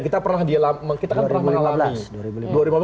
kita kan pernah mengalami